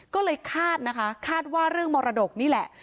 ก็เลยคาดนะคะคาดว่าเรื่องมรดกนี่แหละ